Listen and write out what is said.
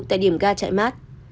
tại điểm ga chạy mát